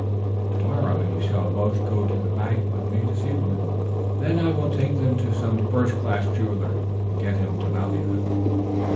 "To morrow you shall both go to the bank with me to see them, and then I will take them to some first class jeweler's and get him to value them."